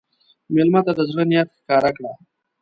مېلمه ته د زړه نیت ښکاره کړه.